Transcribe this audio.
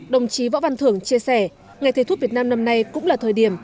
đồng chí võ văn thưởng chia sẻ ngày thầy thuốc việt nam năm nay cũng là thời điểm